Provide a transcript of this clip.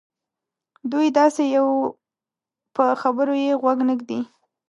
دوی داسې یوو په خبرو یې غوږ نه ږدي.